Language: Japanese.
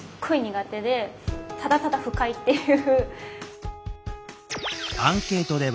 ただただ不快っていう。